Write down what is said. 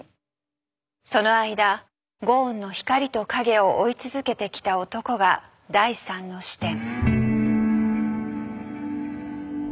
その間ゴーンの光と影を追い続けてきた男が第３の視点。